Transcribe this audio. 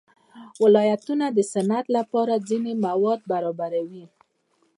ولایتونه د صنعت لپاره ځینې مواد برابروي.